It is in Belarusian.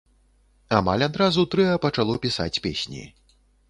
Амаль адразу трыа пачало пісаць песні.